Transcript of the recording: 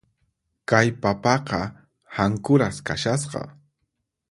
Kay papaqa hankuras kashasqa.